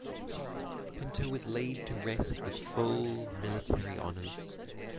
Pinto was laid to rest with full military honours.